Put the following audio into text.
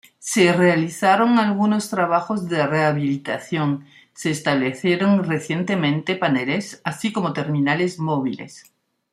Se realizaron algunos trabajos de rehabilitación, se establecieron recientemente paneles así como terminales móviles.